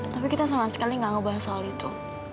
tapi kita sama sekali nggak ngebahas soal itu